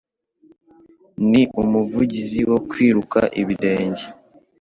Ni umuvugizi wo kwiruka ibirenge